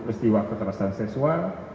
peristiwa keterasan seksual